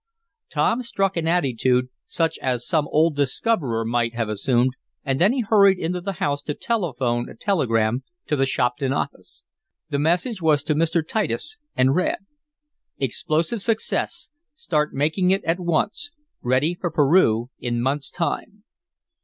Tom struck an attitude, such as some old discoverer might have assumed, and then he hurried into the house to telephone a telegram to the Shopton office. The message was to Mr. Titus, and read: "Explosive success. Start making it at once. Ready for Peru in month's time."